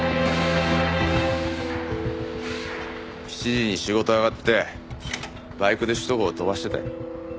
７時に仕事上がってバイクで首都高を飛ばしてたよ。